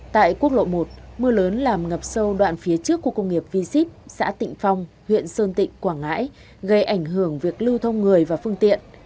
tại quốc lộ một mưa lớn làm ngập sâu đoạn phía trước của công nghiệp v ship xã tịnh phong huyện sơn tịnh quảng ngãi gây ảnh hưởng việc lưu thông người và phương tiện